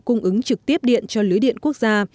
cung ứng trực tiếp điện cho lưới điện quốc gia